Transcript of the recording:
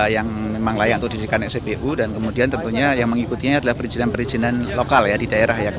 yang memang layak untuk didirikan spbu dan kemudian tentunya yang mengikutinya adalah perizinan perizinan lokal ya di daerah ya